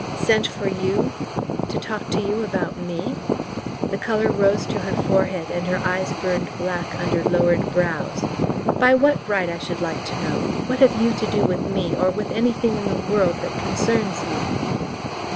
"Sent for you to talk to you about me?" The colour rose to her forehead and her eyes burned black under lowered brows. "By what right, I should like to know? What have you to do with me, or with anything in the world that concerns me?"